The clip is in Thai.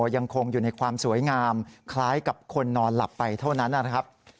ยังคงอยู่ในความสวยงามคล้ายกับคนนอนหลับไปเท่านั้นนะครับ